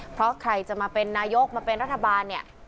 เพราะใครจะมาเป็นนายกมาเป็นรัฐบาลเนี่ย